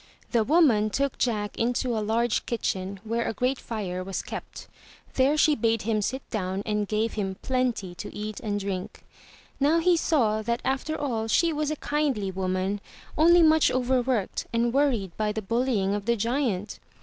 The woman took Jack into a large kitchen where a great fire was kept. There she bade him sit down and gave him plenty to eat and drink. Now he saw that after all she was a kindly woman, only much overworked and worried by the bullying of the giant.